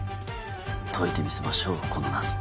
解いてみせましょうこの謎を。